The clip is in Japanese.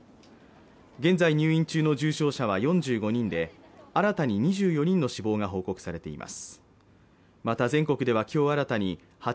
現在入院中の重症者は４５人で新たに２４人の死亡が報告されています。